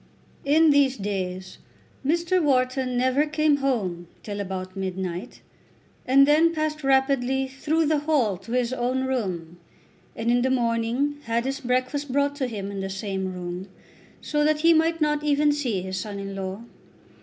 In these days Mr. Wharton never came home till about midnight, and then passed rapidly through the hall to his own room, and in the morning had his breakfast brought to him in the same room, so that he might not even see his son in law.